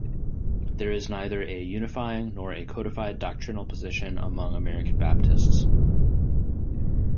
There is neither a unifying nor a codified doctrinal position among American Baptists.